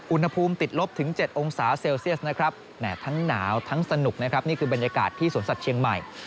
อุณหภูมิติดลบถึง๗องศาเซลเซียสนะครับทั้งหนาวทั้งสนุกนะครับนี่คือบรรยากาศที่สวนสัตว์เชียงใหม่